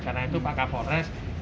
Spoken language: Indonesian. karena itu pak kapolres